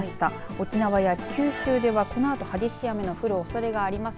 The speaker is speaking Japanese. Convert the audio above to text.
沖縄、九州では、このあと激しい雨が降るおそれがあります。